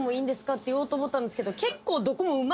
って言おうと思ったんですけど。